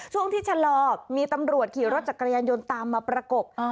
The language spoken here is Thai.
ช่วงที่ชะลอมีตำรวจขี่รถจักรยานยนต์ตามมาประกบ